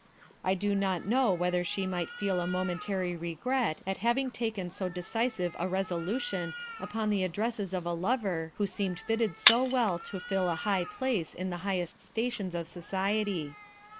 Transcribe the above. I do not know whether she might not feel a momentary regret at having taken so decisive a resolution upon the addresses of a lover who seemed fitted so well to fill a high place in the highest stations of society.